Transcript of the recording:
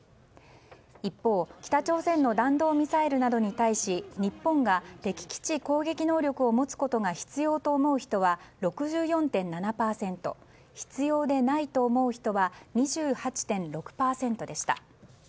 一方、北朝鮮の弾道ミサイルなどに対し日本が敵基地攻撃能力を持つことが必要と思う人は６４．７％必要でないと思う人は２８．６％でした。